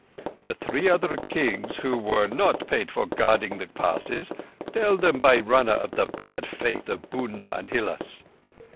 The three other Kings, who were not paid for guarding the Passes, tell them by runner of the bad faith of Bunár and Hilás.